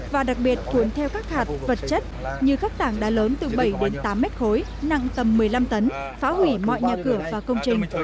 và đặc biệt cuốn theo các hạt vật chất như các tảng đá lớn từ bảy đến tám mét khối nặng tầm một mươi năm tấn phá hủy mọi nhà cửa và công trình